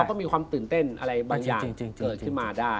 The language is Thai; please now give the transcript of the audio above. ก็มีความตื่นเต้นอะไรบางอย่างเกิดขึ้นมาได้